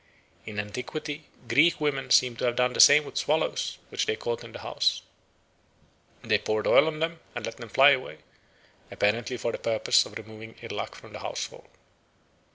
In antiquity Greek women seem to have done the same with swallows which they caught in the house: they poured oil on them and let them fly away, apparently for the purpose of removing ill luck from the household.